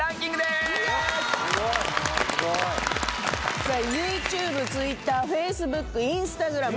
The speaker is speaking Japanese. すごい。ＹｏｕＴｕｂｅＴｗｉｔｔｅｒＦａｃｅｂｏｏｋＩｎｓｔａｇｒａｍ